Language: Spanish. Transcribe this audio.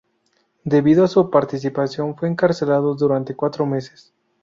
Debido a su participación fue encarcelado durante cuatro meses.